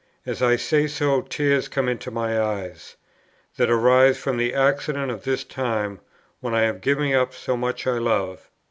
As I say so, tears come into my eyes; that arises from the accident of this time, when I am giving up so much I love.